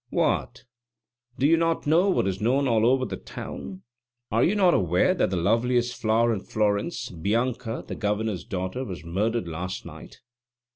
"What, do you not know what is known all over the town? Are you not aware that the loveliest flower in Florence, Bianca, the Governor's daughter, was murdered last night?